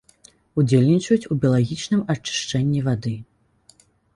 Удзельнічаюць у біялагічным ачышчэнні вады.